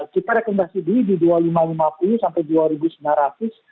kita rekomendasi dulu di dua ribu lima ratus lima puluh sampai dua ribu sembilan ratus